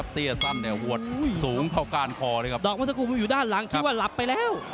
ที่ซ้ายเข้าไป